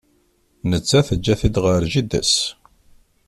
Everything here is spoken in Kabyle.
Netta teǧǧa-t-id ɣer jida-s.